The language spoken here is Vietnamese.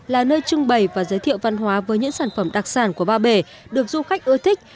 là nơi trưng bày và giới thiệu văn hóa với những sản phẩm đặc sản của ba bể được du khách ưa thích